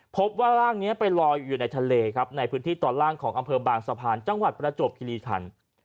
พบว่าร่างนี้ไปลอยอยู่ในทะเลครับในพื้นที่ตอนล่างของอำเภอบางสะพานจังหวัดประจวบคิริคัน